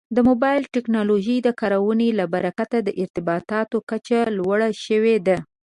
د موبایل ټکنالوژۍ د کارونې له برکته د ارتباطاتو کچه لوړه شوې ده.